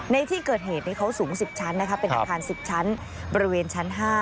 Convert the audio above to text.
ในที่เกิดเหตุเขาสูง๑๐ชั้นนะคะเป็นอาคาร๑๐ชั้นบริเวณชั้น๕